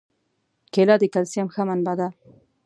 کېله د کلسیم ښه منبع ده.